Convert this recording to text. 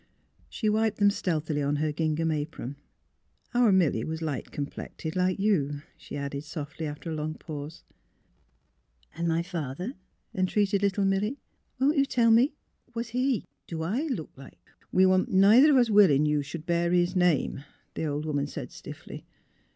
She wiped them stealthily on her gingham apron. *' Our Milly was light complected, like you," she added, softly, after a long pause. " And my father," entreated little Milly. *' Won't you tell me? — Was he — do I look like "We wa'n't neither of us willin' you should bear his name," the old woman said, stiffly.